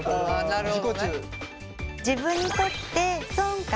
なるほど。